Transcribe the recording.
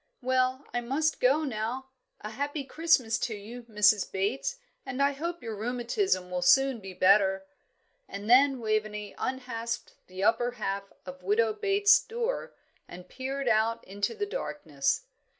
"Well, I must go now. 'A happy Christmas to you,' Mrs. Bates, and I hope your rheumatism will soon be better." And then Waveney unhasped the upper half of Widow Bates's door, and peered out into the darkness.